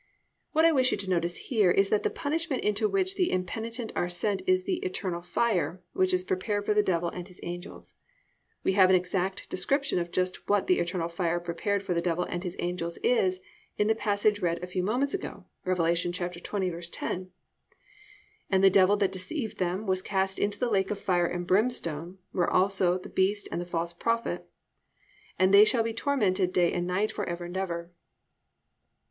"+ What I wish you to notice here is that the punishment into which the impenitent are sent is the "eternal fire" which is "prepared for the devil and his angels." We have an exact description of just what the eternal fire prepared for the devil and his angels is in the passage read a few moments ago, Rev. 20:10: +"And the devil that deceived them was cast into the lake of fire and brimstone where are also the beast and the false prophet; and they shall be tormented day and night for ever and ever."